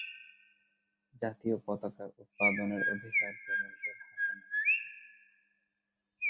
জাতীয় পতাকার উৎপাদনের অধিকার কেবল -এর হাতে ন্যস্ত।